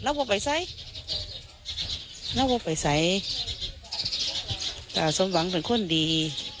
เราไม่ไปใส่เราไม่ไปใส่แต่สมบังเป็นคนดี